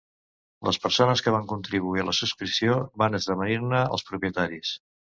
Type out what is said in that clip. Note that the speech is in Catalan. Les persones que van contribuir a la subscripció van esdevenir-ne els propietaris.